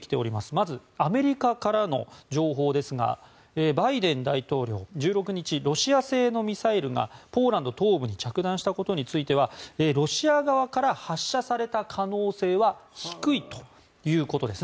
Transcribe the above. まず、アメリカからの情報ですがバイデン大統領、１６日ロシア製のミサイルがポーランド東部に着弾したことについてはロシア側から発射された可能性は低いということです。